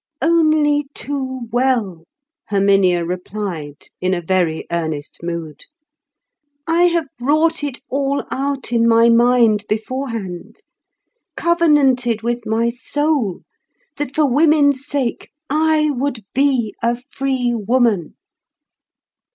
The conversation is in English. "Only too well," Herminia replied, in a very earnest mood. "I have wrought it all out in my mind beforehand—covenanted with my soul that for women's sake I would be a free woman.